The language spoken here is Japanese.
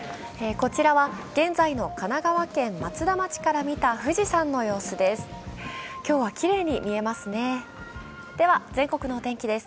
こちらは現在の神奈川県松田町から見た富士山の様子です。